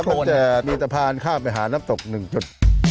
ตั้งแต่มีสะพานข้ามไปหาน้ำตก๑จุด